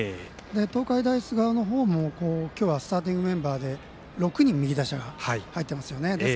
東海大菅生の方も今日はスターティングメンバーで６人、右打者が入っていますよね。